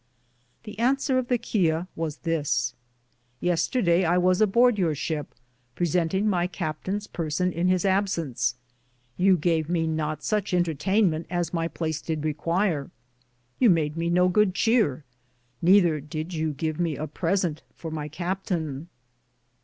The Answer of the Chial was this : Yeaster Day I was abord your Shipp presentinge my Captayn's person in his absence; you gave me not suche entertainmente as my place Did Requier; you made me no good cheare, nether Did you give me a presente for my Captaine, DEPARTURE FROM RHODES.